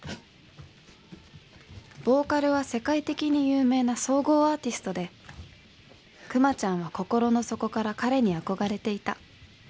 「ボーカルは世界的に有名な総合アーティストで、くまちゃんは心の底から彼に憧れていた」。